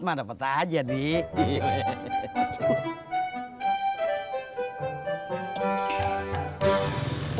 mah dapet aja deh